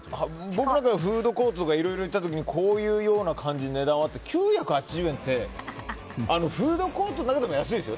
僕がフードコートにいろいろ行った時にこういうような感じの値段があって９８０円ってフードコートの中でも安いですよ。